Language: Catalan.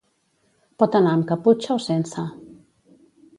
Pot anar amb caputxa o sense.